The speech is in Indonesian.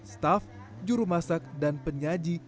staff juru masak dan penyaji